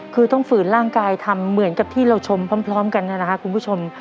คือต้องฝืนร่างกายทำเหมือนกับที่เราชมพร้อมกันนะครับคุณผู้ชม